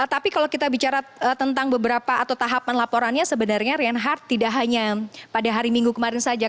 tapi kalau kita bicara tentang beberapa atau tahapan laporannya sebenarnya reinhardt tidak hanya pada hari minggu kemarin saja